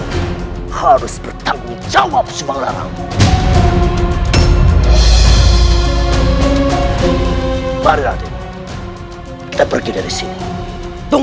nyai tidak boleh tinggal di wisma ini